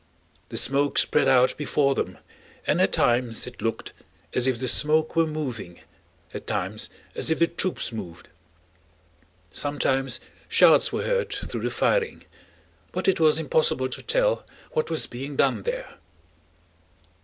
The smoke spread out before them, and at times it looked as if the smoke were moving, at times as if the troops moved. Sometimes shouts were heard through the firing, but it was impossible to tell what was being done there.